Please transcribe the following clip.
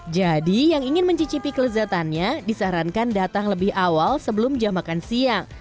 jadi yang ingin mencicipi kelezatannya disarankan datang lebih awal sebelum jam makan siang